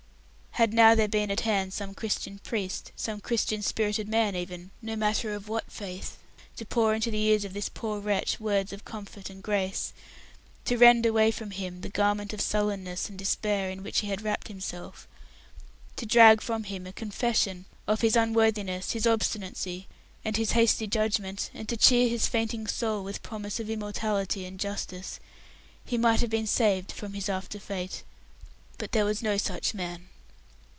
Had now there been at hand some Christian priest, some Christian spirited man even, no matter of what faith, to pour into the ears of this poor wretch words of comfort and grace; to rend away from him the garment of sullenness and despair in which he had wrapped himself; to drag from him a confession of his unworthiness, his obstinacy, and his hasty judgment, and to cheer his fainting soul with promise of immortality and justice, he might have been saved from his after fate; but there was no such man.